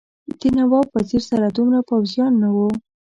د نواب وزیر سره دومره پوځیان نه وو.